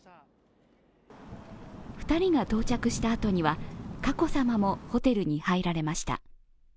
２人が到着したあとには、佳子さまもホテルに入られました。